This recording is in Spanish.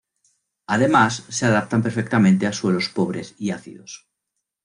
Además, se adaptan perfectamente a suelos pobres y ácidos.